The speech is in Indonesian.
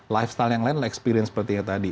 lifestyle yang lain experience seperti yang tadi